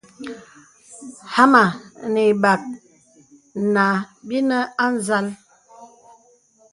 Hāmà nə̀ ibàk nǎ binə̀ á zal.